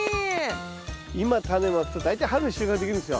今タネまくと大体春に収穫できるんですよ。